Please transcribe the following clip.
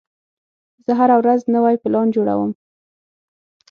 زه هره ورځ نوی پلان جوړوم.